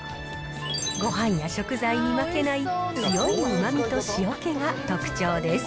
ごはんや食材に負けない、強いうまみと塩気が特徴です。